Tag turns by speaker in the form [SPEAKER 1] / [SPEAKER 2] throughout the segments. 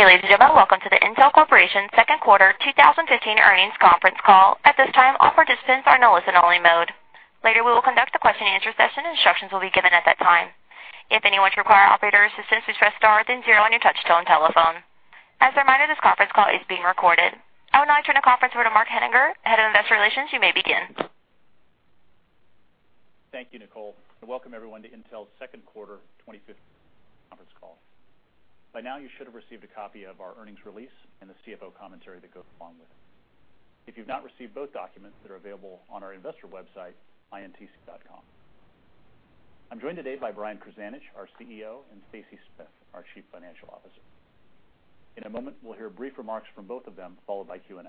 [SPEAKER 1] Good day ladies and gentlemen, welcome to the Intel Corporation Second Quarter 2015 earnings conference call. At this time, all participants are in a listen-only mode. Later, we will conduct a question-and-answer session, and instructions will be given at that time. If anyone should require operator assistance, please press star then zero on your touch-tone telephone. As a reminder, this conference call is being recorded. I will now turn the conference over to Mark Henninger, head of investor relations. You may begin.
[SPEAKER 2] Thank you, Nicole. Welcome everyone to Intel's second quarter 2015 conference call. By now, you should have received a copy of our earnings release and the CFO commentary that goes along with it. If you've not received both documents, they're available on our investor website, intc.com. I'm joined today by Brian Krzanich, our CEO, and Stacy Smith, our Chief Financial Officer. In a moment, we'll hear brief remarks from both of them, followed by Q&A.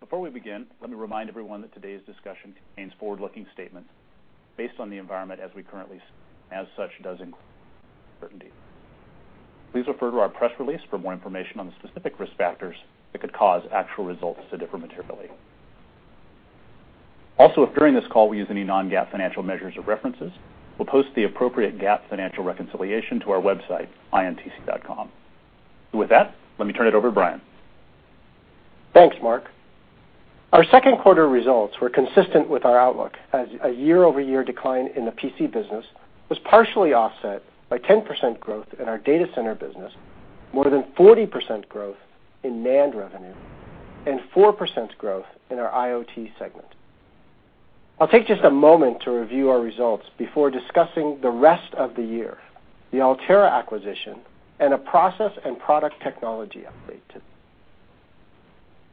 [SPEAKER 2] Before we begin, let me remind everyone that today's discussion contains forward-looking statements based on the environment as we currently see it, and as such, it does include uncertainty. Please refer to our press release for more information on the specific risk factors that could cause actual results to differ materially. Also, if during this call we use any non-GAAP financial measures or references, we'll post the appropriate GAAP financial reconciliation to our website, intc.com. With that, let me turn it over to Brian.
[SPEAKER 3] Thanks, Mark. Our second quarter results were consistent with our outlook, as a year-over-year decline in the PC business was partially offset by 10% growth in our data center business, more than 40% growth in NAND revenue, and 4% growth in our IoT segment. I'll tate just a moment to review our results before discussing the rest of the year, the Altera acquisition, and a process and product technology update today.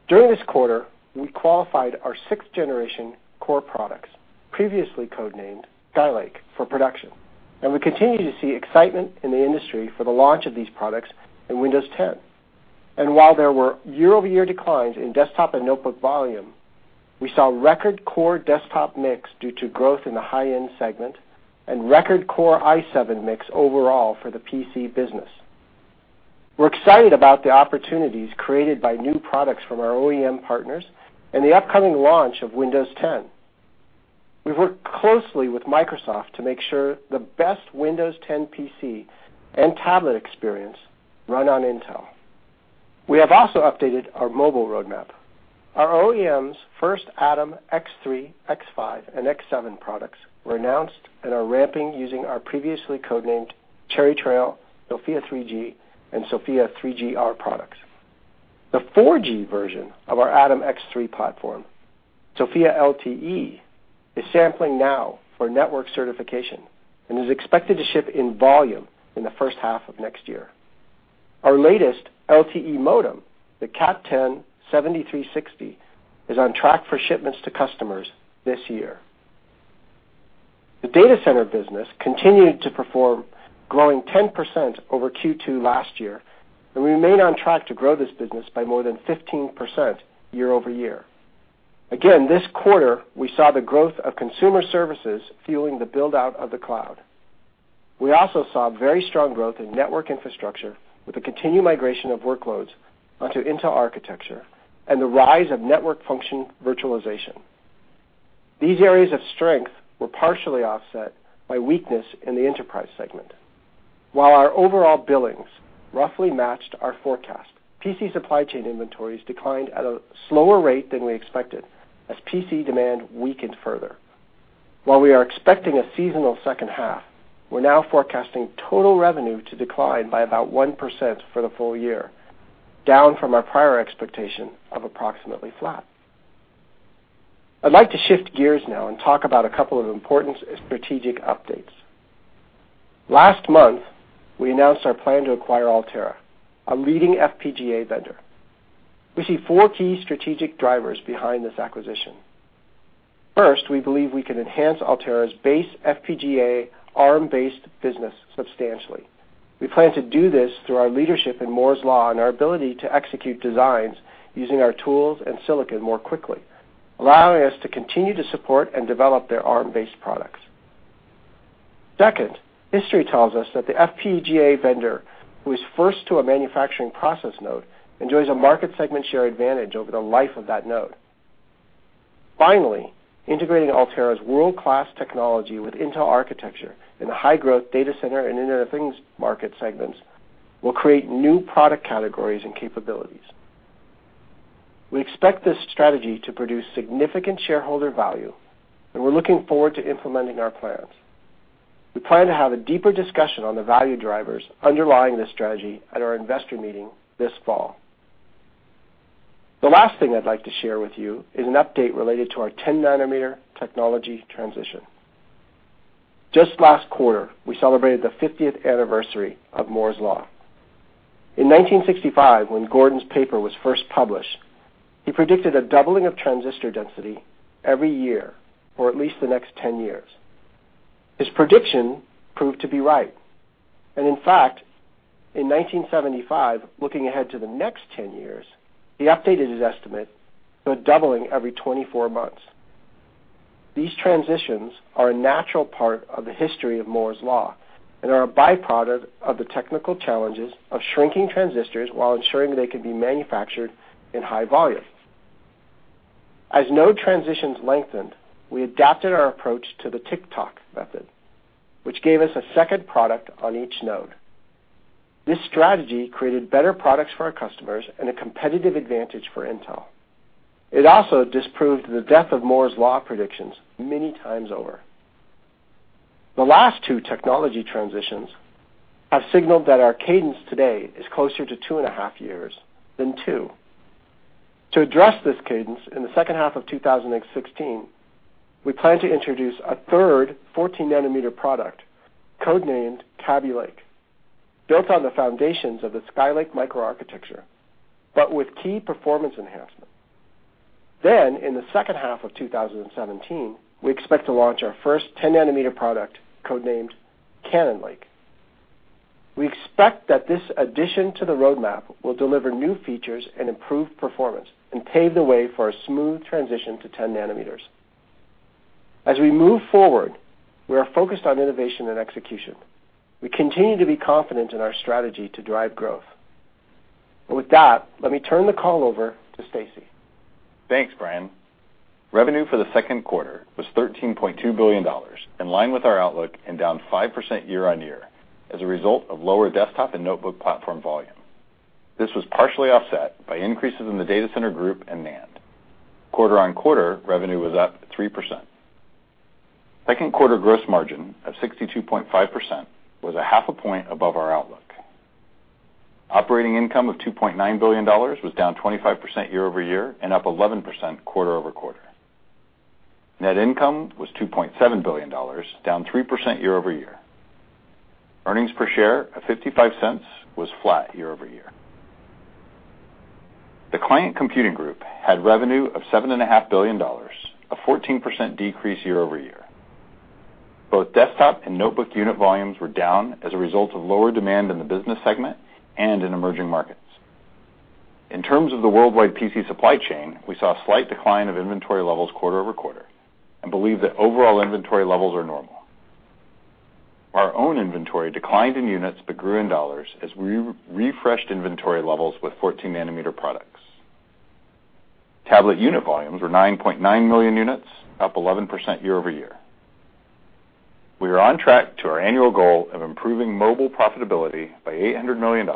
[SPEAKER 3] During this quarter, we qualified our sixth-generation Core products, previously codenamed Skylake, for production, and we continue to see excitement in the industry for the launch of these products in Windows 10, and while there were year-over-year declines in desktop and notebook volume, we saw record Core desktop mix due to growth in the high-end segment and record Core i7 mix overall for the PC business. We're excited about the opportunities created by new products from our OEM partners and the upcoming launch of Windows 10. We've worked closely with Microsoft to make sure the best Windows 10 PC and tablet experience run on Intel. We have also updated our mobile roadmap. Our OEMs' first Atom X3, X5, and X7 products were announced and are ramping using our previously codenamed Cherry Trail, SoFIA 3G, and SoFIA 3G-R products. The 4G version of our Atom X3 platform, SoFIA LTE, is sampling now for network certification and is expected to ship in volume in the first half of next year. Our latest LTE modem, the XMM 7360, is on track for shipments to customers this year. The data center business continued to perform, growing 10% over Q2 last year, and we remain on track to grow this business by more than 15% year-over-year. Again, this quarter, we saw the growth of consumer services fueling the build-out of the cloud. We also saw very strong growth in network infrastructure with the continued migration of workloads onto Intel architecture and the rise of network function virtualization. These areas of strength were partially offset by weakness in the enterprise segment. While our overall billings roughly matched our forecast, PC supply chain inventories declined at a slower rate than we expected as PC demand weakened further. While we are expecting a seasonal second half, we're now forecasting total revenue to decline by about 1% for the full year, down from our prior expectation of approximately flat. I'd like to shift gears now and talk about a couple of important strategic updates. Last month, we announced our plan to acquire Altera, a leading FPGA vendor. We see four key strategic drivers behind this acquisition. First, we believe we can enhance Altera's base FPGA ARM-based business substantially. We plan to do this through our leadership in Moore's Law and our ability to execute designs using our tools and silicon more quickly, allowing us to continue to support and develop their ARM-based products. Second, history tells us that the FPGA vendor who is first to a manufacturing process node enjoys a market segment share advantage over the life of that node. Finally, integrating Altera's world-class technology with Intel architecture in the high-growth data center and Internet of Things market segments will create new product categories and capabilities. We expect this strategy to produce significant shareholder value, and we're looking forward to implementing our plans. We plan to have a deeper discussion on the value drivers underlying this strategy at our investor meeting this fall. The last thing I'd like to share with you is an update related to our 10-nanometer technology transition. Just last quarter, we celebrated the 50th anniversary of Moore's Law. In 1965, when Gordon's paper was first published, he predicted a doubling of transistor density every year for at least the next 10 years. His prediction proved to be right, and in fact, in 1975, looking ahead to the next 10 years, he updated his estimate to a doubling every 24 months. These transitions are a natural part of the history of Moore's Law and are a byproduct of the technical challenges of shrinking transistors while ensuring they can be manufactured in high volume. As node transitions lengthened, we adapted our approach to the tick-tock method, which gave us a second product on each node. This strategy created better products for our customers and a competitive advantage for Intel. It also disproved the death of Moore's Law predictions many times over. The last two technology transitions have signaled that our cadence today is closer to two and a half years than two. To address this cadence, in the second half of 2016, we plan to introduce a third 14-nanometer product, codenamed Kaby Lake, built on the foundations of the Skylake microarchitecture, but with key performance enhancements. Then, in the second half of 2017, we expect to launch our first 10-nanometer product, codenamed Cannon Lake. We expect that this addition to the roadmap will deliver new features and improved performance and pave the way for a smooth transition to 10 nanometers. As we move forward, we are focused on innovation and execution. We continue to be confident in our strategy to drive growth. With that, let me turn the call over to Stacy.
[SPEAKER 4] Thanks, Brian. Revenue for the second quarter was $13.2 billion, in line with our outlook, and down 5% year-on-year as a result of lower desktop and notebook platform volume. This was partially offset by increases in the data center group and NAND. Quarter on quarter, revenue was up 3%. Second quarter gross margin of 62.5% was 0.5 point above our outlook. Operating income of $2.9 billion was down 25% year-over-year and up 11% quarter over quarter. Net income was $2.7 billion, down 3% year-over-year. Earnings per share of $0.55 was flat year-over-year. The client computing group had revenue of $7.5 billion, a 14% decrease year-over-year. Both desktop and notebook unit volumes were down as a result of lower demand in the business segment and in emerging markets. In terms of the worldwide PC supply chain, we saw a slight decline of inventory levels quarter over quarter and believe that overall inventory levels are normal. Our own inventory declined in units but grew in dollars as we refreshed inventory levels with 14-nanometer products. Tablet unit volumes were 9.9 million units, up 11% year-over-year. We are on track to our annual goal of improving mobile profitability by $800 million,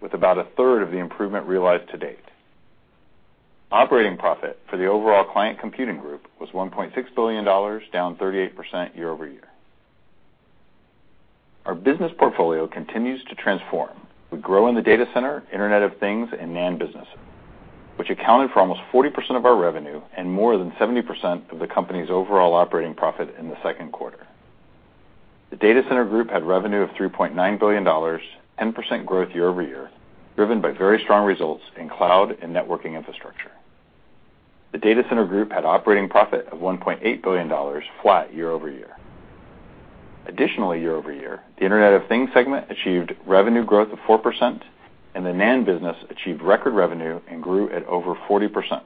[SPEAKER 4] with about a third of the improvement realized to date. Operating profit for the overall client computing group was $1.6 billion, down 38% year-over-year. Our business portfolio continues to transform. We grow in the data center, Internet of Things, and NAND business, which accounted for almost 40% of our revenue and more than 70% of the company's overall operating profit in the second quarter. The Data Center Group had revenue of $3.9 billion, 10% growth year-over-year, driven by very strong results in cloud and networking infrastructure. The Data Center Group had operating profit of $1.8 billion, flat year-over-year. Additionally, year-over-year, the Internet of Things segment achieved revenue growth of 4%, and the NAND business achieved record revenue and grew at over 40%.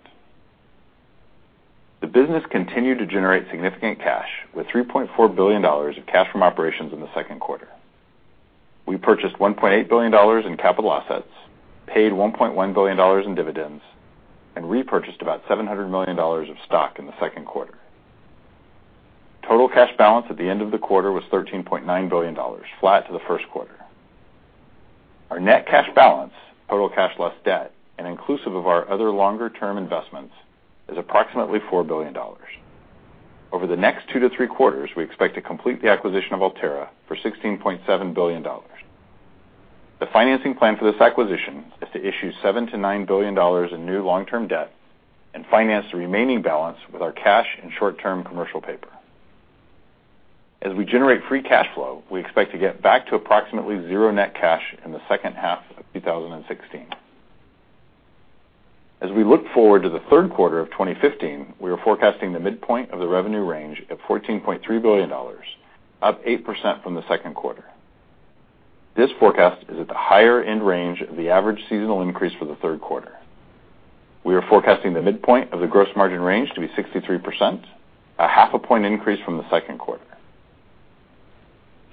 [SPEAKER 4] The business continued to generate significant cash, with $3.4 billion of cash from operations in the second quarter. We purchased $1.8 billion in capital assets, paid $1.1 billion in dividends, and repurchased about $700 million of stock in the second quarter. Total cash balance at the end of the quarter was $13.9 billion, flat to the first quarter. Our net cash balance, total cash less debt, and inclusive of our other longer-term investments, is approximately $4 billion. Over the next two to three quarters, we expect to complete the acquisition of Altera for $16.7 billion. The financing plan for this acquisition is to issue $7-$9 billion in new long-term debt and finance the remaining balance with our cash and short-term commercial paper. As we generate free cash flow, we expect to get back to approximately zero net cash in the second half of 2016. As we look forward to the third quarter of 2015, we are forecasting the midpoint of the revenue range at $14.3 billion, up 8% from the second quarter. This forecast is at the higher-end range of the average seasonal increase for the third quarter. We are forecasting the midpoint of the gross margin range to be 63%, a 0.5-point increase from the second quarter.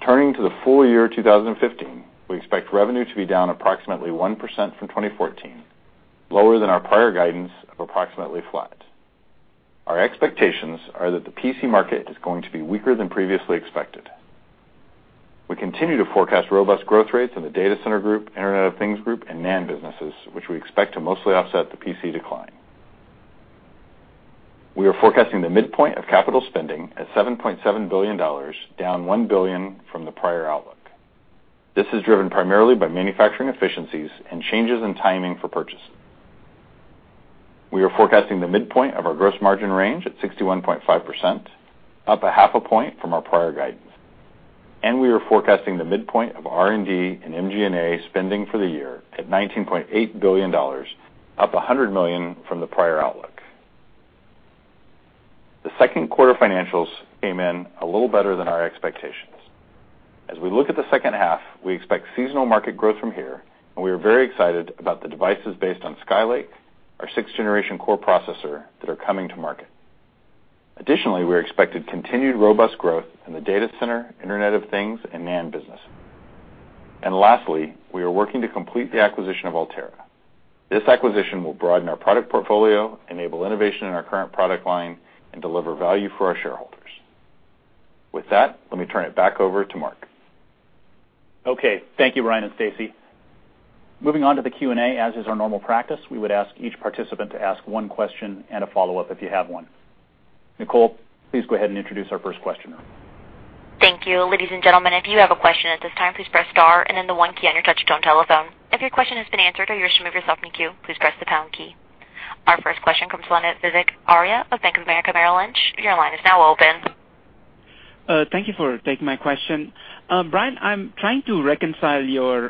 [SPEAKER 4] Turning to the full year 2015, we expect revenue to be down approximately 1% from 2014, lower than our prior guidance of approximately flat. Our expectations are that the PC market is going to be weaker than previously expected. We continue to forecast robust growth rates in the Data Center Group, Internet of Things Group, and NAND businesses, which we expect to mostly offset the PC decline. We are forecasting the midpoint of capital spending at $7.7 billion, down $1 billion from the prior outlook. This is driven primarily by manufacturing efficiencies and changes in timing for purchases. We are forecasting the midpoint of our gross margin range at 61.5%, up a half a point from our prior guidance, and we are forecasting the midpoint of R&D and MG&A spending for the year at $19.8 billion, up $100 million from the prior outlook. The second quarter financials came in a little better than our expectations. As we look at the second half, we expect seasonal market growth from here, and we are very excited about the devices based on Skylake, our sixth-generation core processor that are coming to market. Additionally, we are expected continued robust growth in the data center, Internet of Things, and NAND business. And lastly, we are working to complete the acquisition of Altera. This acquisition will broaden our product portfolio, enable innovation in our current product line, and deliver value for our shareholders. With that, let me turn it back over to Mark.
[SPEAKER 2] Okay. Thank you, Brian and Stacy. Moving on to the Q&A, as is our normal practice, we would ask each participant to ask one question and a follow-up if you have one. Nicole, please go ahead and introduce our first questioner.
[SPEAKER 1] Thank you. Ladies and gentlemen, if you have a question at this time, please press star and then the one key on your touch-tone telephone. If your question has been answered or you wish to move yourself into queue, please press the pound key. Our first question comes from Vivek Arya of Bank of America Merrill Lynch. Your line is now open.
[SPEAKER 5] Thank you for taking my question. Brian, I'm trying to reconcile your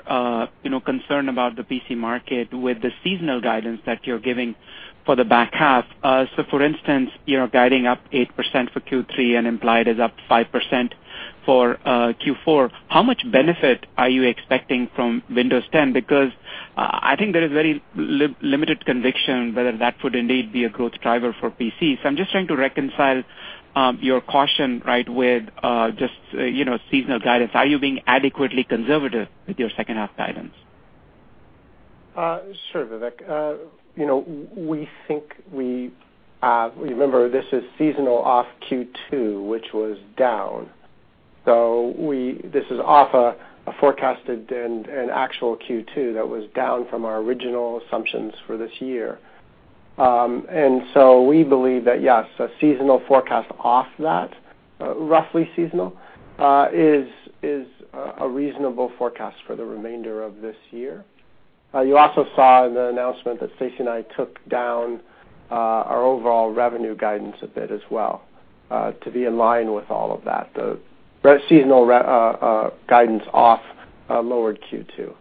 [SPEAKER 5] concern about the PC market with the seasonal guidance that you're giving for the back half. So, for instance, you're guiding up 8% for Q3 and implied is up 5% for Q4. How much benefit are you expecting from Windows 10? Because I think there is very limited conviction whether that would indeed be a growth driver for PCs. I'm just trying to reconcile your caution with just seasonal guidance. Are you being adequately conservative with your second half guidance?
[SPEAKER 3] Sure, Vivek. We think we remember this is seasonal off Q2, which was down. So this is off a forecasted and actual Q2 that was down from our original assumptions for this year. And so we believe that, yes, a seasonal forecast off that, roughly seasonal, is a reasonable forecast for the remainder of this year. You also saw in the announcement that Stacy and I took down our overall revenue guidance a bit as well to be in line with all of that. The seasonal guidance off lowered Q2.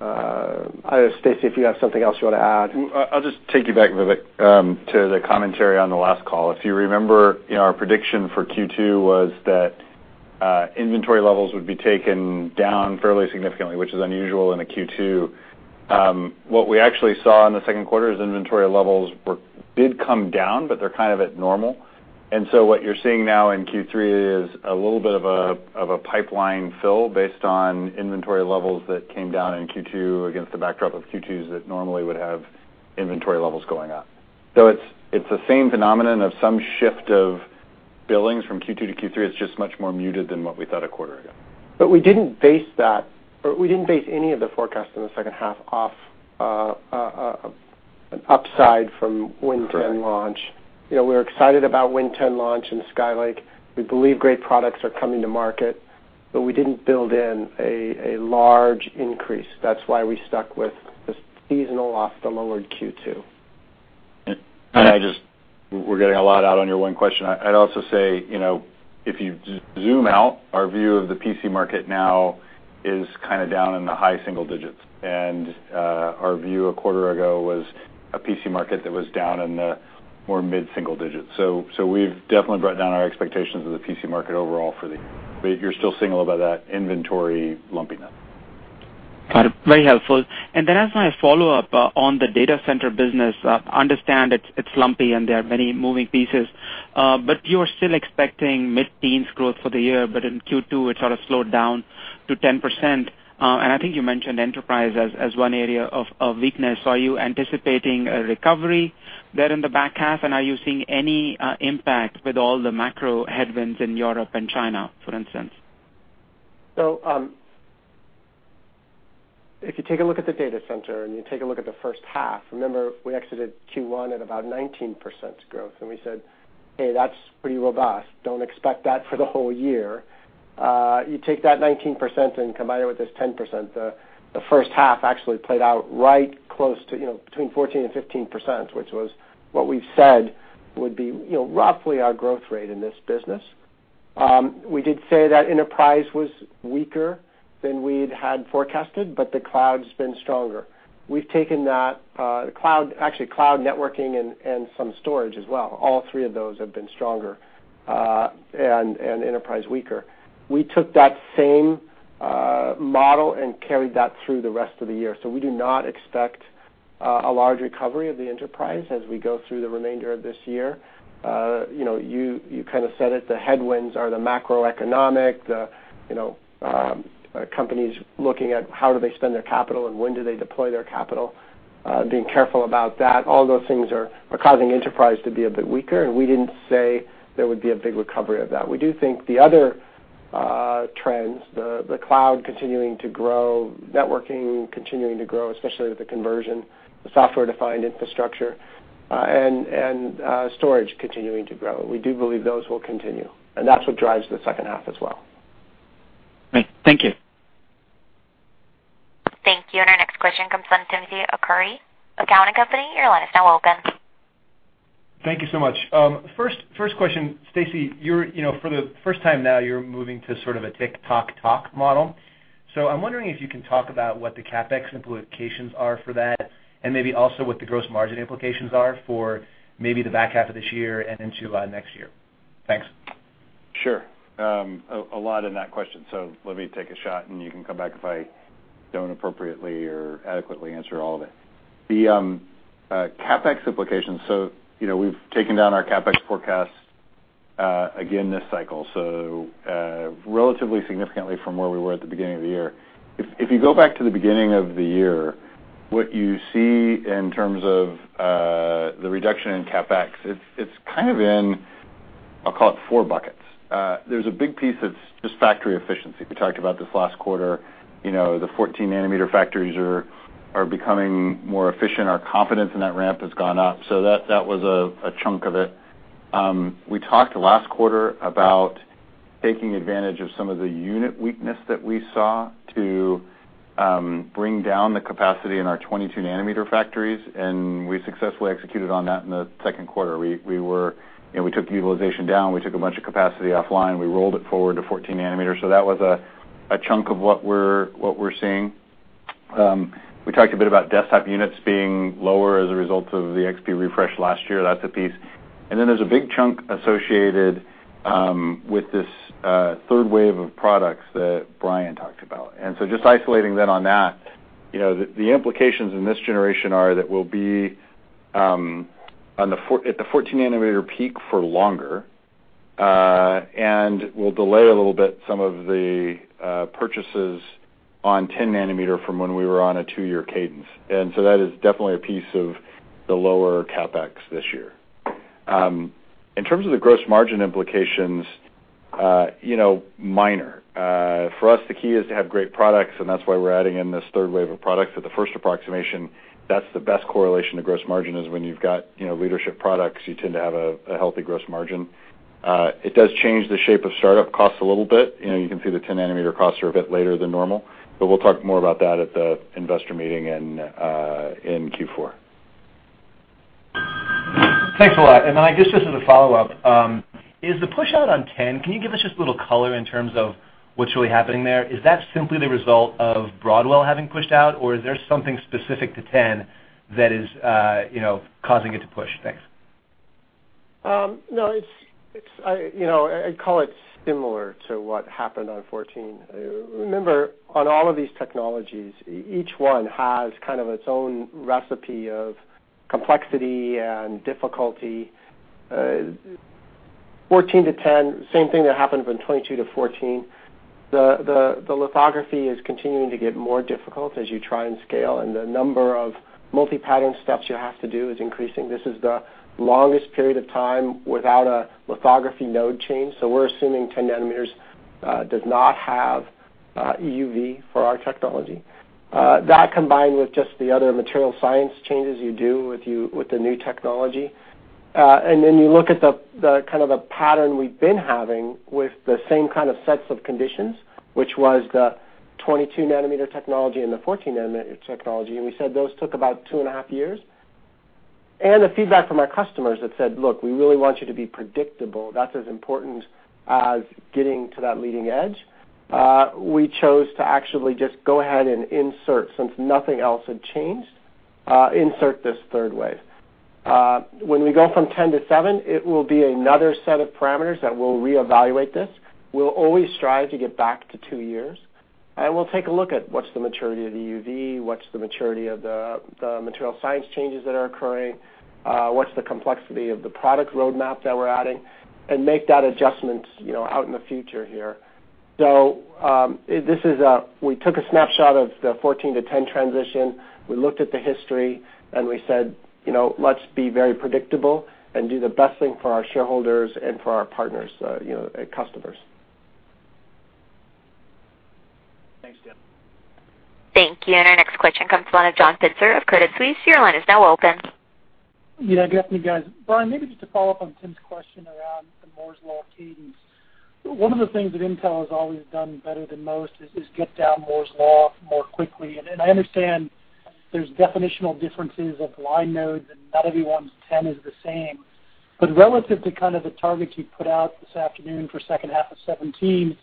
[SPEAKER 3] I don't know, Stacy, if you have something else you want to add.
[SPEAKER 4] I'll just take you back, Vivek, to the commentary on the last call. If you remember, our prediction for Q2 was that inventory levels would be taken down fairly significantly, which is unusual in a Q2. What we actually saw in the second quarter is inventory levels did come down, but they're kind of at normal. And so what you're seeing now in Q3 is a little bit of a pipeline fill based on inventory levels that came down in Q2 against the backdrop of Q2s that normally would have inventory levels going up. So it's the same phenomenon of some shift of billings from Q2 to Q3. It's just much more muted than what we thought a quarter ago.
[SPEAKER 3] But we didn't base any of the forecasts in the second half off an upside from Windows 10 launch. We were excited about Windows 10 launch and Skylake. We believe great products are coming to market, but we didn't build in a large increase. That's why we stuck with the seasonal off the lowered Q2.
[SPEAKER 4] And I just, we're getting a lot out on your one question. I'd also say if you zoom out, our view of the PC market now is kind of down in the high single digits. And our view a quarter ago was a PC market that was down in the more mid-single digits. So we've definitely brought down our expectations of the PC market overall for the year. But you're still seeing a little bit of that inventory lumpiness.
[SPEAKER 5] Got it. Very helpful. And then I have a follow-up on the data center business. I understand it's lumpy and there are many moving pieces, but you are still expecting mid-teens growth for the year, but in Q2 it sort of slowed down to 10%. And I think you mentioned enterprise as one area of weakness. Are you anticipating a recovery there in the back half? And are you seeing any impact with all the macro headwinds in Europe and China, for instance?
[SPEAKER 3] So if you take a look at the Data Center and you take a look at the first half, remember we exited Q1 at about 19% growth. And we said, "Hey, that's pretty robust. Don't expect that for the whole year." You take that 19% and combine it with this 10%, the first half actually played out right close to between 14% and 15%, which was what we've said would be roughly our growth rate in this business. We did say that enterprise was weaker than we'd had forecasted, but the cloud's been stronger. We've taken that cloud, actually cloud networking and some storage as well. All three of those have been stronger and snterprise weaker. We took that same model and carried that through the rest of the year. We do not expect a large recovery of the enterprise as we go through the remainder of this year. You kind of said it. The headwinds are the macroeconomic, the companies looking at how do they spend their capital and when do they deploy their capital, being careful about that. All those things are causing enterprise to be a bit weaker. We didn't say there would be a big recovery of that. We do think the other trends, the cloud continuing to grow, networking continuing to grow, especially with the conversion, the software-defined infrastructure, and storage continuing to grow. We do believe those will continue. That's what drives the second half as well.
[SPEAKER 5] Great. Thank you.
[SPEAKER 1] Thank you. And our next question comes from Timothy Arcuri, Cowen and Company. Your line is now open.
[SPEAKER 6] Thank you so much. First question, Stacy, for the first time now you're moving to sort of a tick-tock-tock model. So I'm wondering if you can talk about what the CapEx implications are for that and maybe also what the gross margin implications are for maybe the back half of this year and into next year. Thanks.
[SPEAKER 4] Sure. A lot in that question. So let me take a shot and you can come back if I don't appropriately or adequately answer all of it. The CapEx implications, so we've taken down our CapEx forecast again this cycle, so relatively significantly from where we were at the beginning of the year. If you go back to the beginning of the year, what you see in terms of the reduction in CapEx, it's kind of in, I'll call it four buckets. There's a big piece that's just factory efficiency. We talked about this last quarter. The 14-nanometer factories are becoming more efficient. Our confidence in that ramp has gone up. So that was a chunk of it. We talked last quarter about taking advantage of some of the unit weakness that we saw to bring down the capacity in our 22-nanometer factories. And we successfully executed on that in the second quarter. We took utilization down. We took a bunch of capacity offline. We rolled it forward to 14-nanometer. So that was a chunk of what we're seeing. We talked a bit about desktop units being lower as a result of the XP refresh last year. That's a piece. And then there's a big chunk associated with this third wave of products that Brian talked about. And so just isolating then on that, the implications in this generation are that we'll be at the 14-nanometer peak for longer and will delay a little bit some of the purchases on 10-nanometer from when we were on a two-year cadence. And so that is definitely a piece of the lower CapEx this year. In terms of the gross margin implications, minor. For us, the key is to have great products. And that's why we're adding in this third wave of products at the first approximation. That's the best correlation to gross margin is when you've got leadership products, you tend to have a healthy gross margin. It does change the shape of startup costs a little bit. You can see the 10-nanometer costs are a bit later than normal. But we'll talk more about that at the investor meeting in Q4.
[SPEAKER 6] Thanks a lot. And then I guess just as a follow-up, is the push-out on 10, can you give us just a little color in terms of what's really happening there? Is that simply the result of Broadwell having pushed out, or is there something specific to 10 that is causing it to push? Thanks.
[SPEAKER 3] No, I'd call it similar to what happened on 14. Remember, on all of these technologies, each one has kind of its own recipe of complexity and difficulty. 14 to 10, same thing that happened from 22 to 14. The lithography is continuing to get more difficult as you try and scale. And the number of multi-pattern steps you have to do is increasing. This is the longest period of time without a lithography node change. So we're assuming 10-nanometers does not have EUV for our technology. That combined with just the other material science changes you do with the new technology. And then you look at the kind of the pattern we've been having with the same kind of sets of conditions, which was the 22-nanometer technology and the 14-nanometer technology. And we said those took about two and a half years. The feedback from our customers that said, "Look, we really want you to be predictable." That's as important as getting to that leading edge. We chose to actually just go ahead and insert, since nothing else had changed, insert this third wave. When we go from 10 to 7, it will be another set of parameters that we'll reevaluate this. We'll always strive to get back to two years. We'll take a look at what's the maturity of the EUV, what's the maturity of the material science changes that are occurring, what's the complexity of the product roadmap that we're adding, and make that adjustment out in the future here. We took a snapshot of the 14 to 10 transition. We looked at the history and we said, "Let's be very predictable and do the best thing for our shareholders and for our partners and customers.
[SPEAKER 6] Thanks, Jim.
[SPEAKER 1] Thank you. And our next question comes from John Pitzer of Credit Suisse. Your line is now open.
[SPEAKER 7] Yeah, good afternoon, guys. Brian, maybe just to follow up on Tim's question around the Moore's Law cadence. One of the things that Intel has always done better than most is get down Moore's Law more quickly. And I understand there's definitional differences of line nodes and not everyone's 10 is the same. But relative to kind of the targets you put out this afternoon for second half of 2017,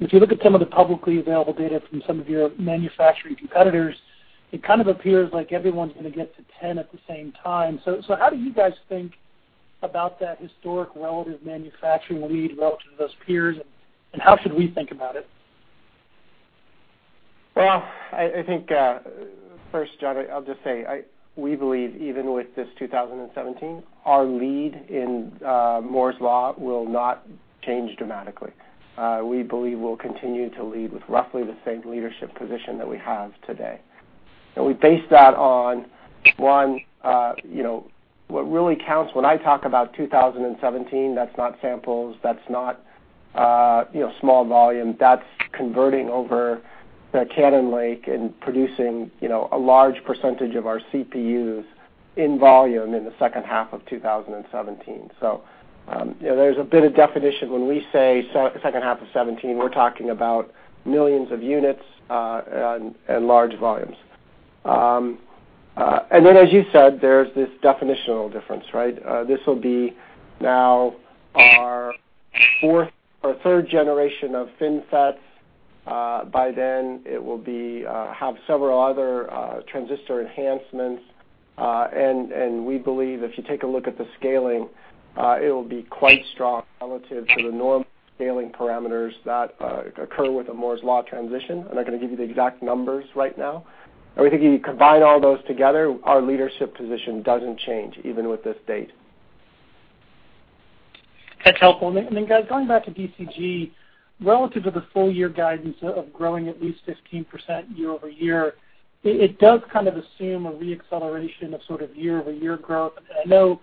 [SPEAKER 7] if you look at some of the publicly available data from some of your manufacturing competitors, it kind of appears like everyone's going to get to 10 at the same time. So how do you guys think about that historic relative manufacturing lead relative to those peers? And how should we think about it?
[SPEAKER 3] I think first, John, I'll just say we believe even with this 2017, our lead in Moore's Law will not change dramatically. We believe we'll continue to lead with roughly the same leadership position that we have today. And we base that on, one, what really counts when I talk about 2017, that's not samples, that's not small volume. That's converting over the Cannon Lake and producing a large percentage of our CPUs in volume in the second half of 2017. So there's a bit of definition. When we say second half of 2017, we're talking about millions of units and large volumes. And then, as you said, there's this definitional difference, right? This will be now our third generation of FinFETs. By then, it will have several other transistor enhancements. We believe if you take a look at the scaling, it will be quite strong relative to the normal scaling parameters that occur with a Moore's Law transition. I'm not going to give you the exact numbers right now. I think if you combine all those together, our leadership position doesn't change even with this date.
[SPEAKER 7] That's helpful. And then, guys, going back to DCG, relative to the full-year guidance of growing at least 15% year over year, it does kind of assume a re-acceleration of sort of year-over-year growth. And I know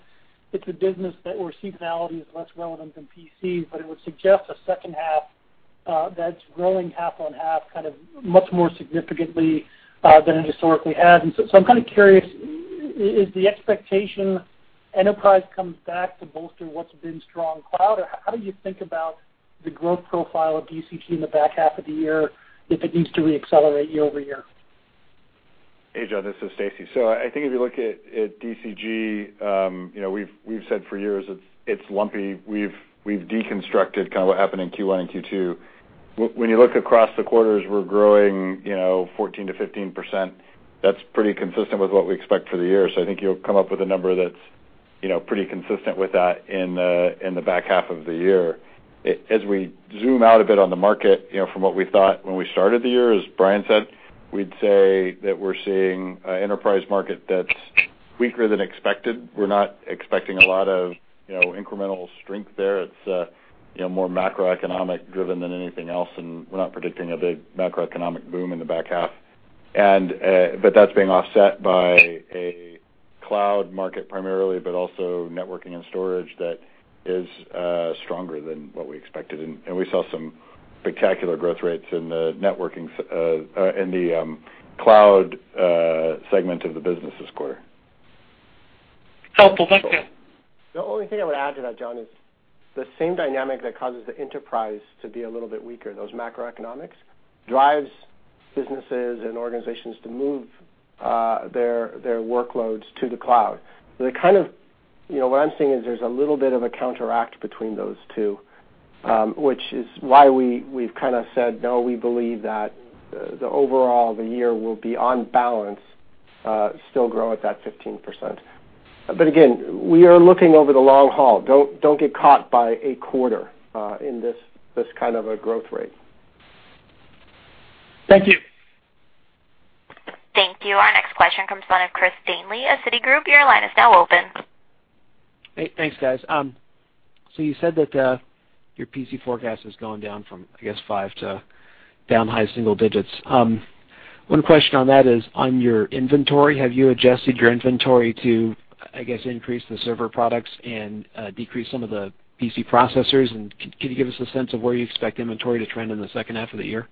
[SPEAKER 7] it's a business that where seasonality is less relevant than PCs, but it would suggest a second half that's growing half-on-half kind of much more significantly than it historically has. And so I'm kind of curious, is the expectation enterprise comes back to bolster what's been strong cloud? Or how do you think about the growth profile of DCG in the back half of the year if it needs to re-accelerate year over year?
[SPEAKER 4] Hey, John, this is Stacy. So I think if you look at CCG, we've said for years it's lumpy. We've deconstructed kind of what happened in Q1 and Q2. When you look across the quarters, we're growing 14%-15%. That's pretty consistent with what we expect for the year. So I think you'll come up with a number that's pretty consistent with that in the back half of the year. As we zoom out a bit on the market from what we thought when we started the year, as Brian said, we'd say that we're seeing an enterprise market that's weaker than expected. We're not expecting a lot of incremental strength there. It's more macroeconomic-driven than anything else. And we're not predicting a big macroeconomic boom in the back half. But that's being offset by a cloud market primarily, but also networking and storage that is stronger than what we expected. And we saw some spectacular growth rates in the cloud segment of the business this quarter.
[SPEAKER 7] Helpful. Thanks, Jim.
[SPEAKER 3] The only thing I would add to that, John, is the same dynamic that causes the enterprise to be a little bit weaker, those macroeconomics, drives businesses and organizations to move their workloads to the cloud. So kind of what I'm seeing is there's a little bit of a counteract between those two, which is why we've kind of said, "No, we believe that the overall, the year will be on balance, still grow at that 15%." But again, we are looking over the long haul. Don't get caught by a quarter in this kind of a growth rate.
[SPEAKER 7] Thank you.
[SPEAKER 1] Thank you. Our next question comes from Chris Danely of Citigroup. Your line is now open.
[SPEAKER 8] Hey, thanks, guys. You said that your PC forecast has gone down from, I guess, five to down high single digits. One question on that is on your inventory. Have you adjusted your inventory to, I guess, increase the server products and decrease some of the PC processors? And can you give us a sense of where you expect inventory to trend in the second half of the year?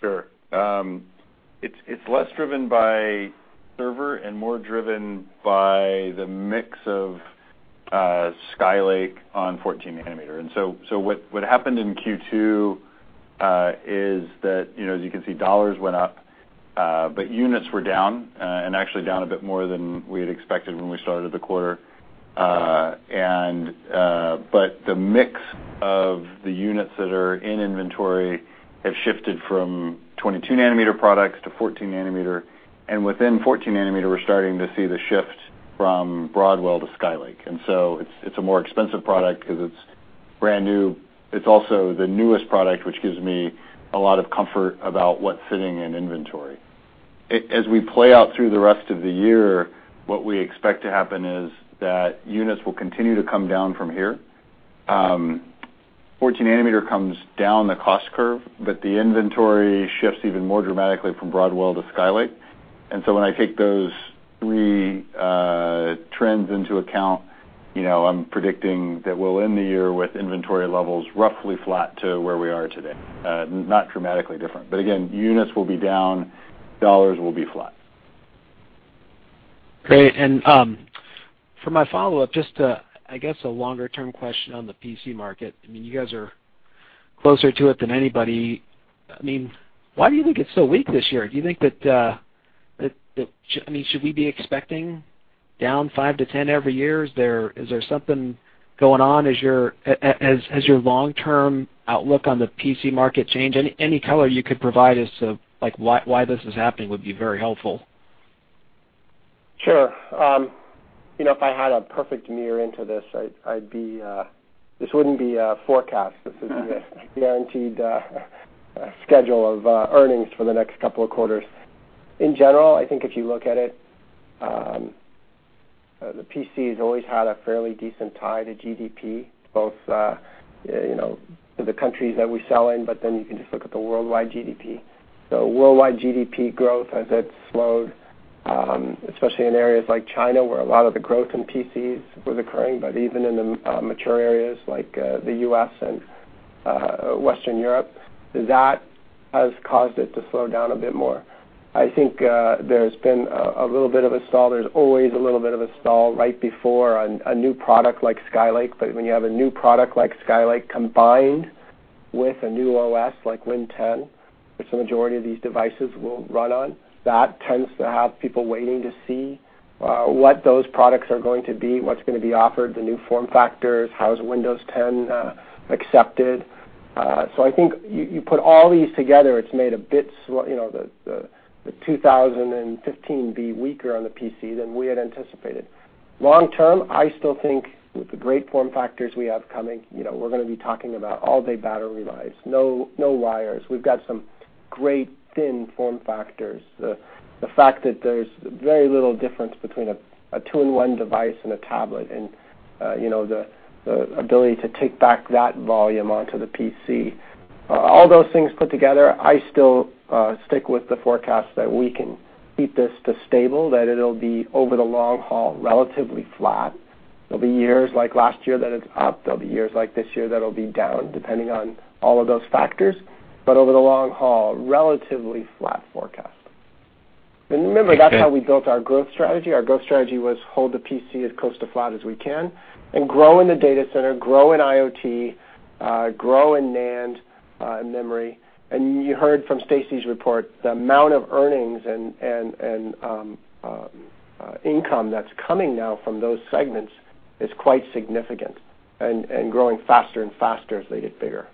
[SPEAKER 2] Sure. It's less driven by server and more driven by the mix of Skylake on 14-nanometer. And so what happened in Q2 is that, as you can see, dollars went up, but units were down and actually down a bit more than we had expected when we started the quarter. But the mix of the units that are in inventory have shifted from 22-nanometer products to 14-nanometer. And within 14-nanometer, we're starting to see the shift from Broadwell to Skylake. And so it's a more expensive product because it's brand new. It's also the newest product, which gives me a lot of comfort about what's sitting in inventory. As we play out through the rest of the year, what we expect to happen is that units will continue to come down from here. 14-nanometer comes down the cost curve, but the inventory shifts even more dramatically from Broadwell to Skylake. And so when I take those three trends into account, I'm predicting that we'll end the year with inventory levels roughly flat to where we are today, not dramatically different. But again, units will be down, dollars will be flat.
[SPEAKER 8] Great. And for my follow-up, just I guess a longer-term question on the PC market. I mean, you guys are closer to it than anybody. I mean, why do you think it's so weak this year? Do you think that, I mean, should we be expecting down 5%-10% every year? Is there something going on? Has your long-term outlook on the PC market changed? Any color you could provide as to why this is happening would be very helpful.
[SPEAKER 3] Sure. If I had a perfect mirror into this, this wouldn't be a forecast. This is a guaranteed schedule of earnings for the next couple of quarters. In general, I think if you look at it, the PC has always had a fairly decent tie to GDP, both to the countries that we sell in, but then you can just look at the worldwide GDP. So worldwide GDP growth has slowed, especially in areas like China where a lot of the growth in PCs was occurring, but even in the mature areas like the U.S. and Western Europe, that has caused it to slow down a bit more. I think there's been a little bit of a stall. There's always a little bit of a stall right before a new product like Skylake. But when you have a new product like Skylake combined with a new OS like Win 10, which the majority of these devices will run on, that tends to have people waiting to see what those products are going to be, what's going to be offered, the new form factors, how Windows 10 is accepted. So I think you put all these together, it's made 2015 a bit weaker on the PC than we had anticipated. Long-term, I still think with the great form factors we have coming, we're going to be talking about all-day battery lives, no wires. We've got some great thin form factors. The fact that there's very little difference between a 2-in-1 device and a tablet and the ability to take back that volume onto the PC, all those things put together, I still stick with the forecast that we can keep this stable, that it'll be over the long haul relatively flat. There'll be years like last year that it's up. There'll be years like this year that'll be down, depending on all of those factors, but over the long haul, relatively flat forecast, and remember, that's how we built our growth strategy. Our growth strategy was hold the PC as close to flat as we can and grow in the data center, grow in IoT, grow in NAND memory, and you heard from Stacy's report, the amount of earnings and income that's coming now from those segments is quite significant and growing faster and faster as they get bigger.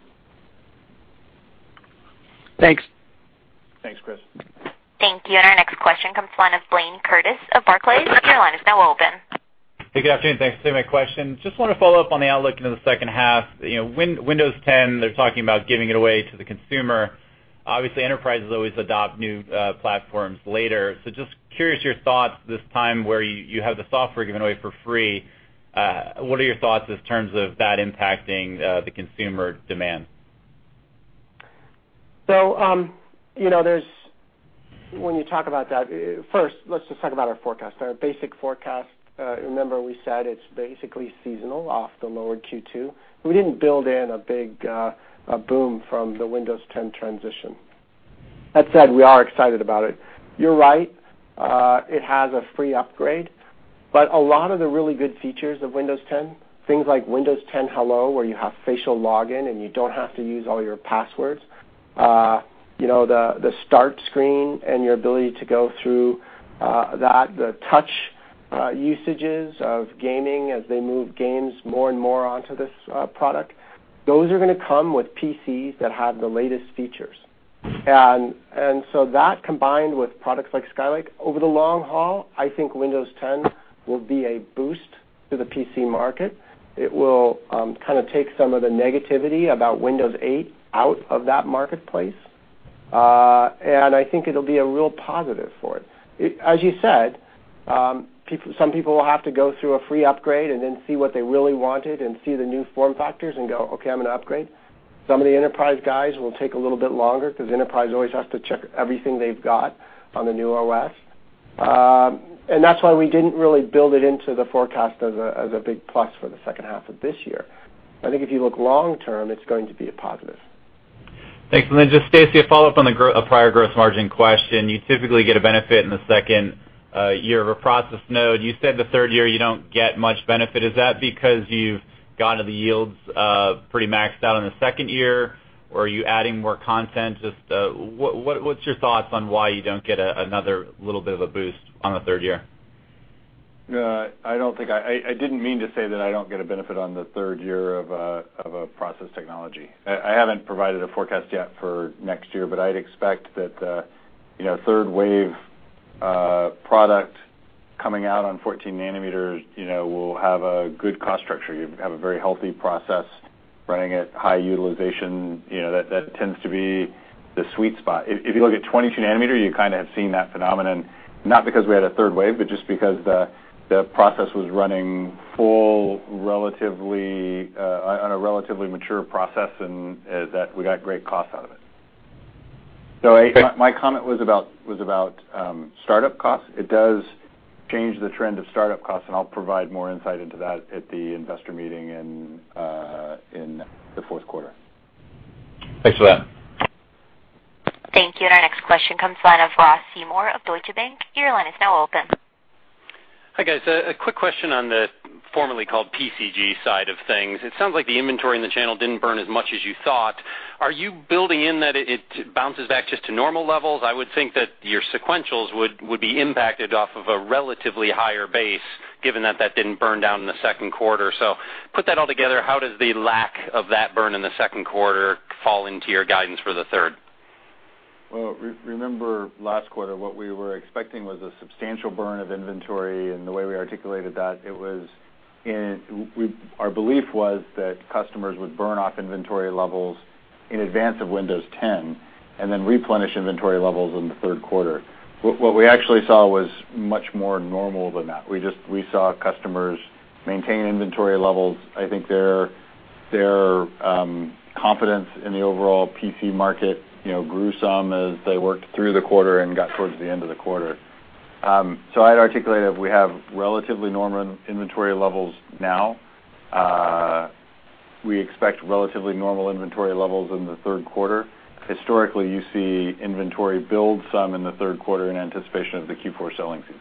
[SPEAKER 8] Thanks.
[SPEAKER 2] Thanks, Chris.
[SPEAKER 1] Thank you. And our next question comes from Blayne Curtis of Barclays. Your line is now open.
[SPEAKER 9] Hey, good afternoon. Thanks for taking my question. Just want to follow up on the outlook into the second half. Windows 10, they're talking about giving it away to the consumer. Obviously, enterprises always adopt new platforms later. So just curious your thoughts this time where you have the software given away for free. What are your thoughts in terms of that impacting the consumer demand?
[SPEAKER 3] So when you talk about that, first, let's just talk about our forecast, our basic forecast. Remember, we said it's basically seasonal off the lower Q2. We didn't build in a big boom from the Windows 10 transition. That said, we are excited about it. You're right. It has a free upgrade. But a lot of the really good features of Windows 10, things like Windows 10 Hello, where you have facial login and you don't have to use all your passwords, the start screen and your ability to go through that, the touch usages of gaming as they move games more and more onto this product, those are going to come with PCs that have the latest features. And so that combined with products like Skylake, over the long haul, I think Windows 10 will be a boost to the PC market. It will kind of take some of the negativity about Windows 8 out of that marketplace. And I think it'll be a real positive for it. As you said, some people will have to go through a free upgrade and then see what they really wanted and see the new form factors and go, "Okay, I'm going to upgrade." Some of the enterprise guys will take a little bit longer because enterprise always has to check everything they've got on the new OS. And that's why we didn't really build it into the forecast as a big plus for the second half of this year. I think if you look long-term, it's going to be a positive.
[SPEAKER 9] Thanks. And then just Stacy, a follow-up on the prior gross margin question. You typically get a benefit in the second year of a process node. You said the third year you don't get much benefit. Is that because you've gotten the yields pretty maxed out in the second year, or are you adding more content? Just what's your thoughts on why you don't get another little bit of a boost on the third year?
[SPEAKER 4] I didn't mean to say that I don't get a benefit on the third year of a process technology. I haven't provided a forecast yet for next year, but I'd expect that third wave product coming out on 14-nanometer will have a good cost structure. You have a very healthy process running at high utilization. That tends to be the sweet spot. If you look at 22-nanometer, you kind of have seen that phenomenon, not because we had a third wave, but just because the process was running full on a relatively mature process and that we got great cost out of it. So my comment was about startup costs. It does change the trend of startup costs, and I'll provide more insight into that at the investor meeting in the fourth quarter.
[SPEAKER 9] Thanks for that.
[SPEAKER 1] Thank you. And our next question comes from Ross Seymore of Deutsche Bank. Your line is now open.
[SPEAKER 10] Hi, guys. A quick question on the formerly called PCG side of things. It sounds like the inventory in the channel didn't burn as much as you thought. Are you building in that it bounces back just to normal levels? I would think that your sequentials would be impacted off of a relatively higher base, given that that didn't burn down in the second quarter. So put that all together, how does the lack of that burn in the second quarter fall into your guidance for the third?
[SPEAKER 2] Remember last quarter, what we were expecting was a substantial burn of inventory. The way we articulated that, our belief was that customers would burn off inventory levels in advance of Windows 10 and then replenish inventory levels in the third quarter. What we actually saw was much more normal than that. We saw customers maintain inventory levels. I think their confidence in the overall PC market grew some as they worked through the quarter and got towards the end of the quarter. I'd articulate it. We have relatively normal inventory levels now. We expect relatively normal inventory levels in the third quarter. Historically, you see inventory build some in the third quarter in anticipation of the Q4 selling season.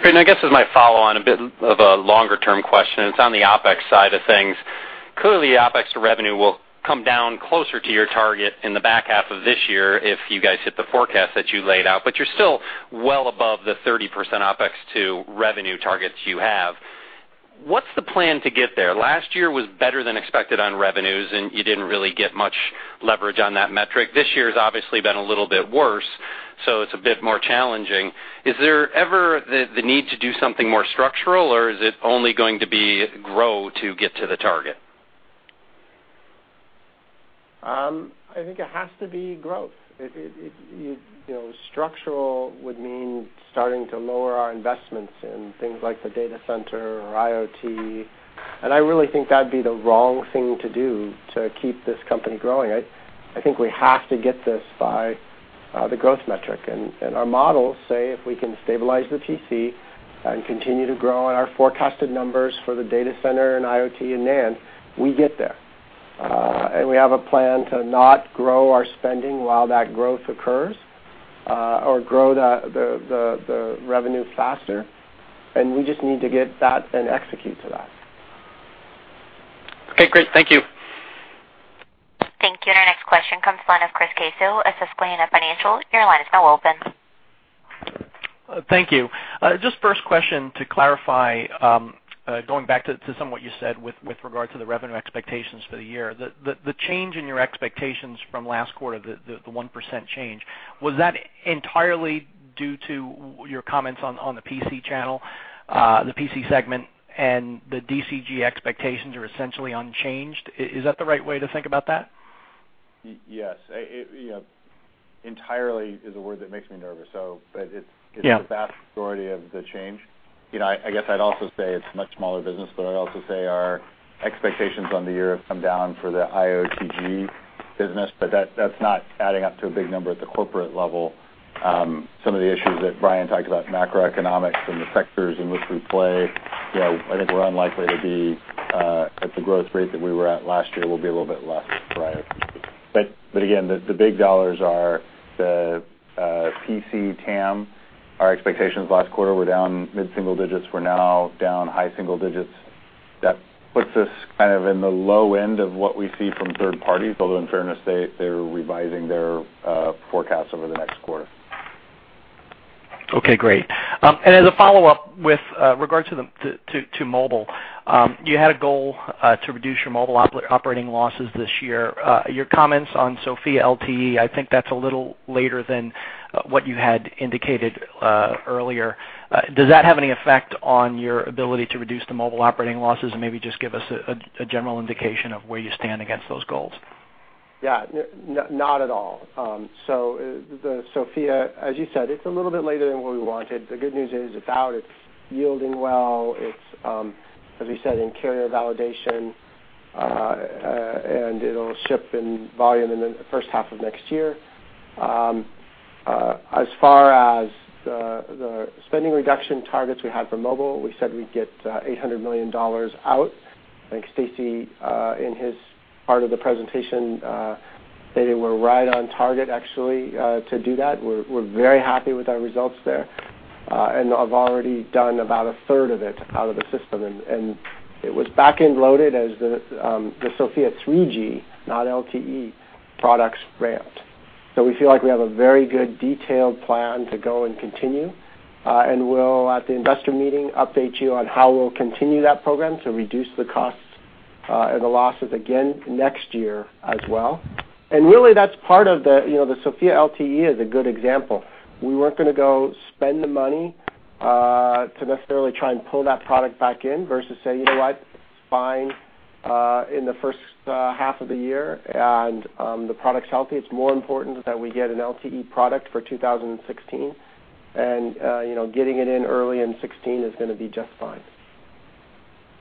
[SPEAKER 10] Great. And I guess as my follow-on, a bit of a longer-term question. It's on the OpEx side of things. Clearly, OpEx to revenue will come down closer to your target in the back half of this year if you guys hit the forecast that you laid out, but you're still well above the 30% OpEx to revenue targets you have. What's the plan to get there? Last year was better than expected on revenues, and you didn't really get much leverage on that metric. This year has obviously been a little bit worse, so it's a bit more challenging. Is there ever the need to do something more structural, or is it only going to be grow to get to the target?
[SPEAKER 3] I think it has to be growth. Structural would mean starting to lower our investments in things like the data center or IoT. And I really think that'd be the wrong thing to do to keep this company growing. I think we have to get this by the growth metric. And our models say if we can stabilize the PC and continue to grow on our forecasted numbers for the data center and IoT and NAND, we get there. And we have a plan to not grow our spending while that growth occurs or grow the revenue faster. And we just need to get that and execute to that.
[SPEAKER 10] Okay. Great. Thank you.
[SPEAKER 1] Thank you. And our next question comes from the line of Chris Caso with Susquehanna Financial Group. Your line is now open.
[SPEAKER 11] Thank you. Just first question to clarify, going back to some of what you said with regard to the revenue expectations for the year, the change in your expectations from last quarter, the 1% change, was that entirely due to your comments on the PC channel, the PC segment, and the DCG expectations are essentially unchanged? Is that the right way to think about that?
[SPEAKER 2] Yes. Entirely is a word that makes me nervous. But it's the vast majority of the change. I guess I'd also say it's a much smaller business, but I'd also say our expectations on the year have come down for the IoTG business, but that's not adding up to a big number at the corporate level. Some of the issues that Brian talked about, macroeconomics and the sectors in which we play, I think we're unlikely to be at the growth rate that we were at last year. We'll be a little bit less prior. But again, the big dollars are the PC TAM. Our expectations last quarter were down mid-single digits. We're now down high single digits. That puts us kind of in the low end of what we see from third parties, although in fairness, they're revising their forecast over the next quarter.
[SPEAKER 11] Okay. Great. And as a follow-up with regard to mobile, you had a goal to reduce your mobile operating losses this year. Your comments on SoFIA LTE, I think that's a little later than what you had indicated earlier. Does that have any effect on your ability to reduce the mobile operating losses and maybe just give us a general indication of where you stand against those goals?
[SPEAKER 3] Yeah. Not at all. So SoFIA, as you said, it's a little bit later than what we wanted. The good news is it's out. It's yielding well. It's, as we said, in carrier validation, and it'll ship in volume in the first half of next year. As far as the spending reduction targets we had for mobile, we said we'd get $800 million out. I think Stacy in his part of the presentation stated we're right on target, actually, to do that. We're very happy with our results there. And I've already done about a third of it out of the system. And it was backend loaded as the SoFIA 3G, not LTE, products ramped. So we feel like we have a very good detailed plan to go and continue. We'll, at the investor meeting, update you on how we'll continue that program to reduce the costs and the losses again next year as well. Really, that's part of the SoFIA LTE is a good example. We weren't going to go spend the money to necessarily try and pull that product back in versus say, "You know what? It's fine in the first half of the year, and the product's healthy. It's more important that we get an LTE product for 2016." Getting it in early in 2016 is going to be just fine.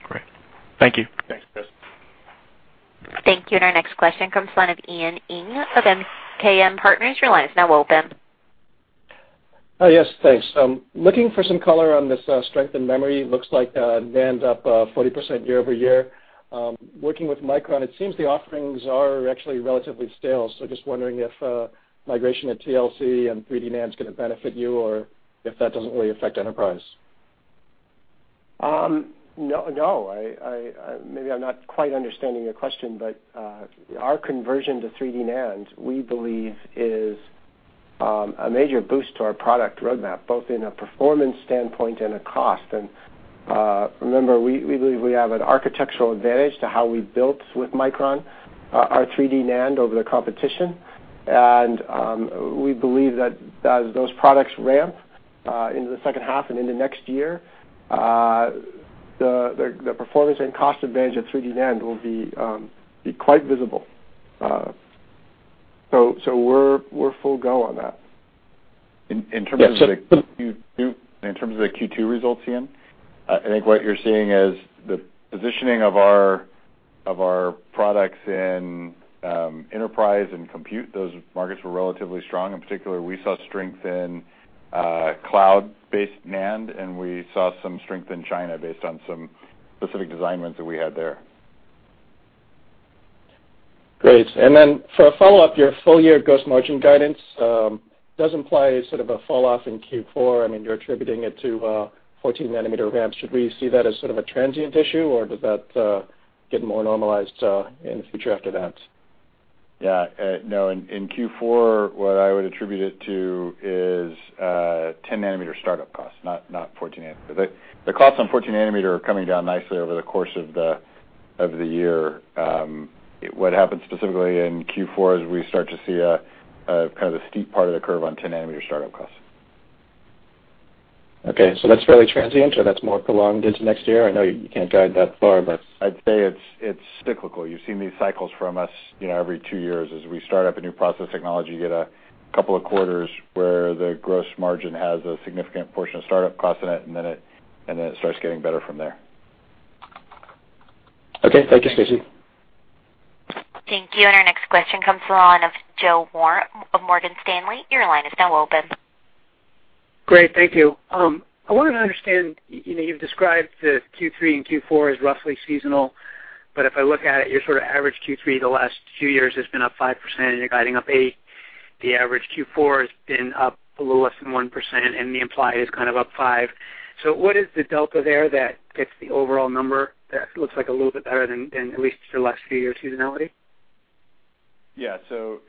[SPEAKER 11] Great. Thank you.
[SPEAKER 2] Thanks, Chris.
[SPEAKER 1] Thank you. And our next question comes from Ian Ing of MKM Partners. Your line is now open.
[SPEAKER 12] Yes. Thanks. Looking for some color on this strength in memory. Looks like NAND up 40% year over year. Working with Micron, it seems the offerings are actually relatively stale. So just wondering if migration to TLC and 3D NAND is going to benefit you or if that doesn't really affect enterprise.
[SPEAKER 3] No. Maybe I'm not quite understanding your question, but our conversion to 3D NAND, we believe, is a major boost to our product roadmap, both in a performance standpoint and a cost, and remember, we believe we have an architectural advantage to how we built with Micron our 3D NAND over the competition, and we believe that as those products ramp into the second half and into next year, the performance and cost advantage of 3D NAND will be quite visible, so we're full go on that. In terms of the. Yes, Chris.
[SPEAKER 2] New in terms of the Q2 results, Ian, I think what you're seeing is the positioning of our products in enterprise and compute, those markets were relatively strong. In particular, we saw strength in cloud-based NAND, and we saw some strength in China-based on some specific design wins that we had there.
[SPEAKER 12] Great. And then for a follow-up, your full year gross margin guidance does imply sort of a falloff in Q4. I mean, you're attributing it to 14-nanometer ramp. Should we see that as sort of a transient issue, or does that get more normalized in the future after that?
[SPEAKER 4] Yeah. No. In Q4, what I would attribute it to is 10-nanometer startup costs, not 14-nanometer. The costs on 14-nanometer are coming down nicely over the course of the year. What happened specifically in Q4 is we start to see kind of the steep part of the curve on 10-nanometer startup costs.
[SPEAKER 12] Okay. So that's fairly transient, or that's more prolonged into next year? I know you can't guide that far, but.
[SPEAKER 4] I'd say it's cyclical. You've seen these cycles from us every two years. As we start up a new process technology, you get a couple of quarters where the gross margin has a significant portion of startup cost in it, and then it starts getting better from there.
[SPEAKER 12] Okay. Thank you, Stacy.
[SPEAKER 1] Thank you. And our next question comes from Joe Moore of Morgan Stanley. Your line is now open.
[SPEAKER 13] Great. Thank you. I wanted to understand. You've described the Q3 and Q4 as roughly seasonal, but if I look at it, your sort of average Q3 the last few years has been up 5%, and you're guiding up 8%. The average Q4 has been up a little less than 1%, and the implied is kind of up 5%. So what is the delta there that gets the overall number that looks like a little bit better than at least your last few years, seasonality?
[SPEAKER 2] Yeah. So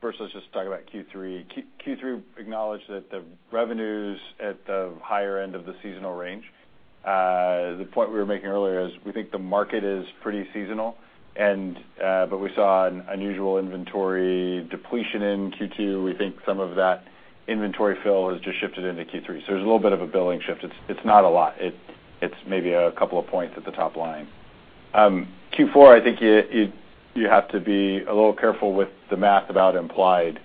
[SPEAKER 2] first, let's just talk about Q3. Q3 acknowledged that the revenues at the higher end of the seasonal range. The point we were making earlier is we think the market is pretty seasonal, but we saw an unusual inventory depletion in Q2. We think some of that inventory fill has just shifted into Q3. So there's a little bit of a billing shift. It's not a lot. It's maybe a couple of points at the top line. Q4, I think you have to be a little careful with the math about implied.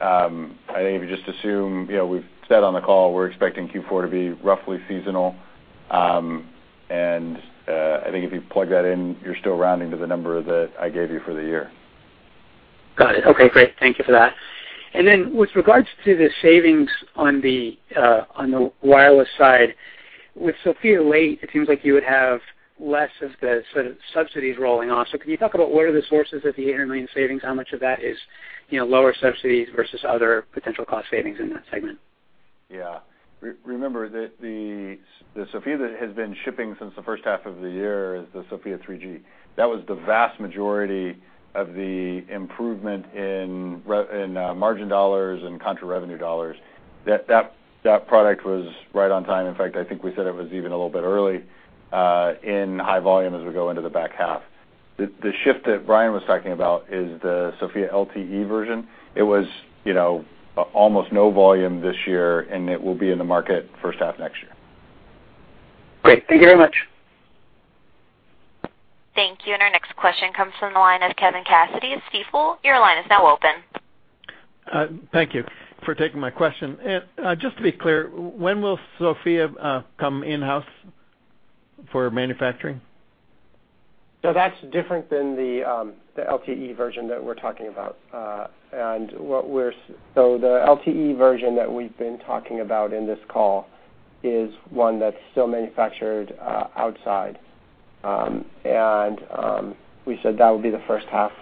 [SPEAKER 2] I think if you just assume we've said on the call, we're expecting Q4 to be roughly seasonal. And I think if you plug that in, you're still rounding to the number that I gave you for the year.
[SPEAKER 13] Got it. Okay. Great. Thank you for that. And then with regards to the savings on the wireless side, with SoFIA LTE, it seems like you would have less of the sort of subsidies rolling off. So can you talk about where are the sources of the $800 million savings? How much of that is lower subsidies versus other potential cost savings in that segment?
[SPEAKER 2] Yeah. Remember that the SoFIA that has been shipping since the first half of the year is the SoFIA 3G. That was the vast majority of the improvement in margin dollars and contract revenue dollars. That product was right on time. In fact, I think we said it was even a little bit early in high volume as we go into the back half. The shift that Brian was talking about is the SoFIA LTE version. It was almost no volume this year, and it will be in the market first half next year.
[SPEAKER 13] Great. Thank you very much.
[SPEAKER 1] Thank you, and our next question comes from the line of Kevin Cassidy at Stifel. Your line is now open.
[SPEAKER 14] Thank you for taking my question. Just to be clear, when will SoFIA come in-house for manufacturing?
[SPEAKER 3] So that's different than the LTE version that we're talking about. And so the LTE version that we've been talking about in this call is one that's still manufactured outside. And we said that would be the first half.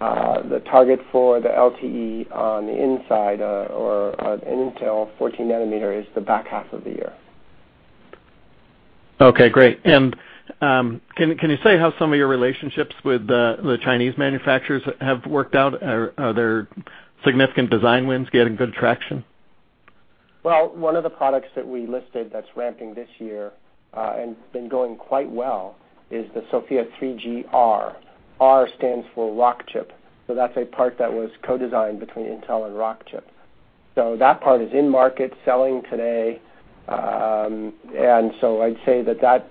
[SPEAKER 3] The target for the LTE on the inside or an Intel 14-nanometer is the back half of the year.
[SPEAKER 14] Okay. Great. And can you say how some of your relationships with the Chinese manufacturers have worked out? Are there significant design wins getting good traction?
[SPEAKER 3] One of the products that we listed that's ramping this year and been going quite well is the SoFIA 3G-R. R stands for Rockchip. So that's a part that was co-designed between Intel and Rockchip. So that part is in market, selling today. And so I'd say that that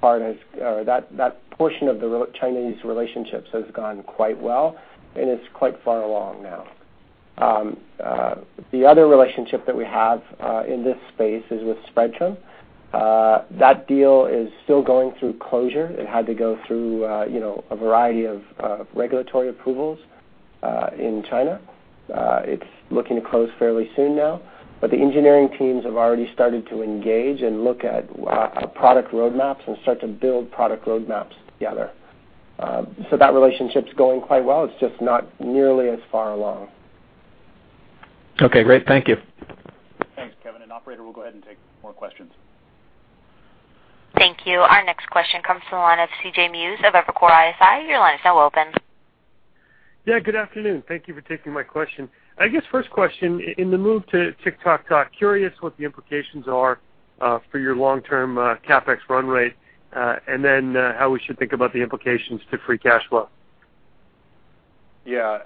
[SPEAKER 3] part has or that portion of the Chinese relationships has gone quite well and is quite far along now. The other relationship that we have in this space is with Spreadtrum. That deal is still going through closure. It had to go through a variety of regulatory approvals in China. It's looking to close fairly soon now. But the engineering teams have already started to engage and look at product roadmaps and start to build product roadmaps together. So that relationship's going quite well. It's just not nearly as far along.
[SPEAKER 14] Okay. Great. Thank you.
[SPEAKER 2] Thanks, Kevin. And Operator will go ahead and take more questions.
[SPEAKER 1] Thank you. Our next question comes from the line of C.J. Muse of Evercore ISI. Your line is now open.
[SPEAKER 15] Yeah. Good afternoon. Thank you for taking my question. I guess first question, in the move to Tick-Tock, curious what the implications are for your long-term CapEx run rate and then how we should think about the implications to free cash flow.
[SPEAKER 2] Yeah.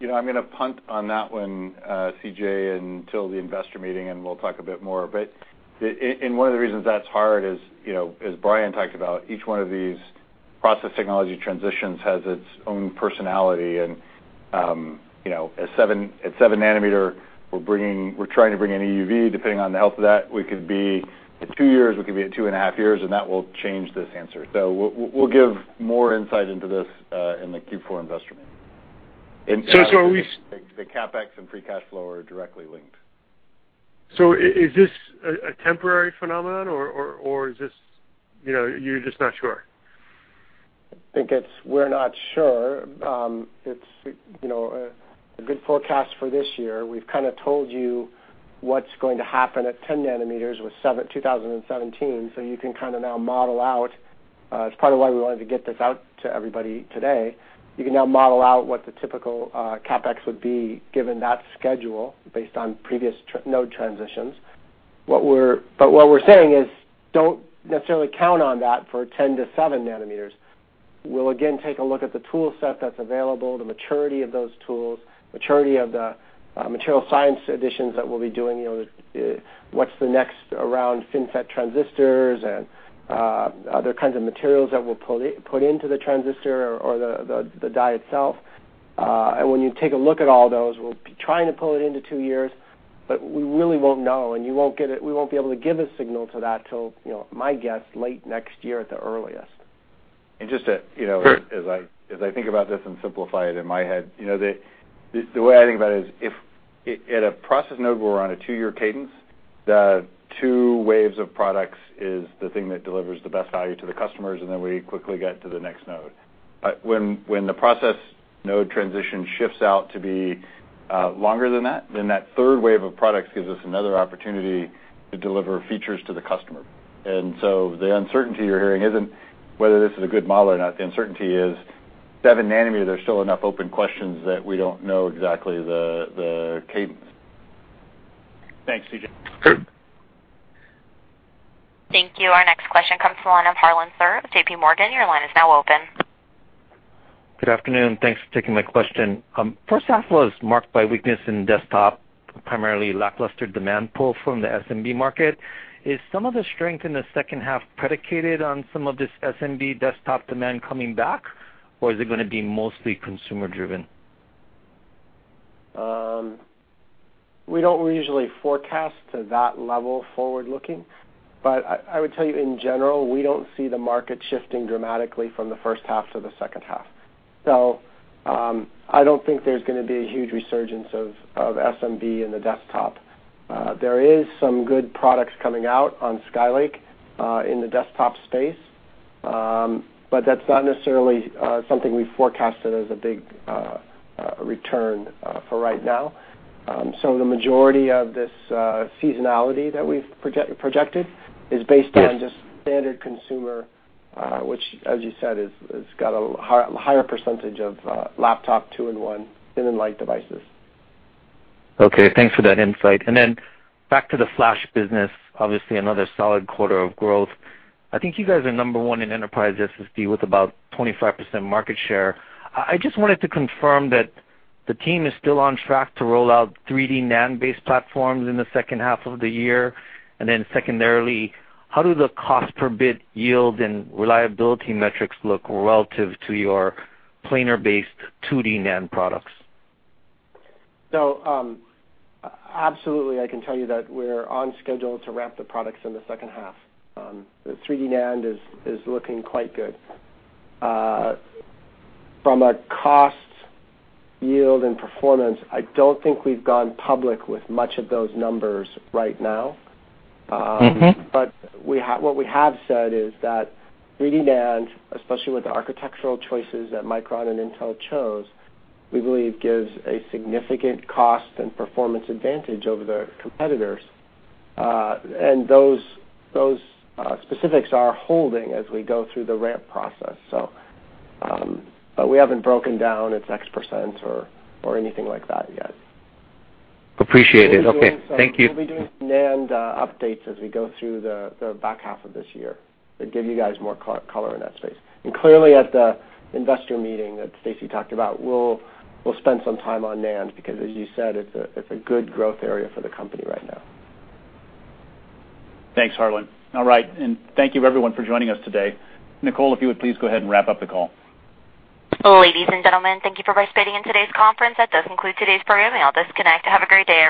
[SPEAKER 2] I'm going to punt on that one, CJ, until the investor meeting, and we'll talk a bit more. But one of the reasons that's hard is, as Brian talked about, each one of these process technology transitions has its own personality. And at 7-nanometer, we're trying to bring in EUV. Depending on the health of that, we could be at two years. We could be at two and a half years, and that will change this answer. So we'll give more insight into this in the Q4 investor meeting. So are we. The CapEx and free cash flow are directly linked.
[SPEAKER 15] So is this a temporary phenomenon, or is this you're just not sure?
[SPEAKER 2] I think we're not sure. It's a good forecast for this year. We've kind of told you what's going to happen at 10 nanometers with 2017, so you can kind of now model out. It's part of why we wanted to get this out to everybody today. You can now model out what the typical CapEx would be given that schedule based on previous node transitions. But what we're saying is don't necessarily count on that for 10 to 7 nanometers. We'll again take a look at the toolset that's available, the maturity of those tools, maturity of the material science additions that we'll be doing, what's the next around FinFET transistors and other kinds of materials that we'll put into the transistor or the die itself. When you take a look at all those, we'll be trying to pull it into two years, but we really won't know, and you won't get it. We won't be able to give a signal to that till, my guess, late next year at the earliest.
[SPEAKER 3] And just as I think about this and simplify it in my head, the way I think about it is if at a process node where we're on a two-year cadence, the two waves of products is the thing that delivers the best value to the customers, and then we quickly get to the next node. When the process node transition shifts out to be longer than that, then that third wave of products gives us another opportunity to deliver features to the customer. And so the uncertainty you're hearing isn't whether this is a good model or not. The uncertainty is 7-nanometer. There's still enough open questions that we don't know exactly the cadence. Thanks, CJ.
[SPEAKER 1] Thank you. Our next question comes from Harlan Sur of J.P. Morgan. Your line is now open.
[SPEAKER 16] Good afternoon. Thanks for taking my question. First half was marked by weakness in desktop, primarily lackluster demand pull from the SMB market. Is some of the strength in the second half predicated on some of this SMB desktop demand coming back, or is it going to be mostly consumer-driven?
[SPEAKER 3] We don't usually forecast to that level forward-looking, but I would tell you, in general, we don't see the market shifting dramatically from the first half to the second half. So I don't think there's going to be a huge resurgence of SMB in the desktop. There is some good products coming out on Skylake in the desktop space, but that's not necessarily something we forecasted as a big return for right now. So the majority of this seasonality that we've projected is based on just standard consumer, which, as you said, has got a higher percentage of laptop 2-in-1, thin-and-light devices.
[SPEAKER 16] Okay. Thanks for that insight. And then back to the flash business, obviously another solid quarter of growth. I think you guys are number one in enterprise SSD with about 25% market share. I just wanted to confirm that the team is still on track to roll out 3D NAND-based platforms in the second half of the year. And then secondarily, how do the cost-per-bit yield and reliability metrics look relative to your planar-based 2D NAND products?
[SPEAKER 3] So absolutely, I can tell you that we're on schedule to ramp the products in the second half. The 3D NAND is looking quite good. From a cost, yield, and performance, I don't think we've gone public with much of those numbers right now. But what we have said is that 3D NAND, especially with the architectural choices that Micron and Intel chose, we believe gives a significant cost and performance advantage over their competitors. And those specifics are holding as we go through the ramp process. But we haven't broken down its X% or anything like that yet.
[SPEAKER 16] Appreciate it. Okay. Thank you.
[SPEAKER 3] We'll be doing some NAND updates as we go through the back half of this year to give you guys more color in that space. And clearly, at the investor meeting that Stacy talked about, we'll spend some time on NAND because, as you said, it's a good growth area for the company right now.
[SPEAKER 2] Thanks, Harlan. All right. Thank you, everyone, for joining us today. Nicole, if you would please go ahead and wrap up the call.
[SPEAKER 1] Ladies and gentlemen, thank you for participating in today's conference. That does conclude today's program, and I'll disconnect. Have a great day.